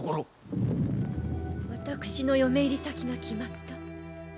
私の嫁入り先が決まった？